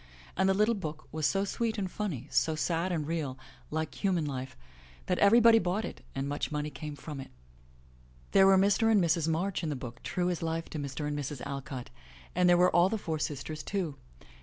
And the little book was so sweet and funny, so sad and real, like human life, that every body bought it and much money came from it. There were Mr. and Mrs. March in the book, true as life to Mr. and Mrs. Alcott, and there were all the four sisters too.